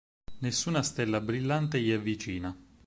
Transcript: Nessuna stella brillante gli è vicina.